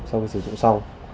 sau khi sử dụng xong